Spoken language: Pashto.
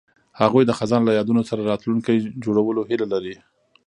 هغوی د خزان له یادونو سره راتلونکی جوړولو هیله لرله.